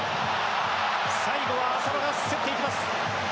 最後は浅野が競っていきます。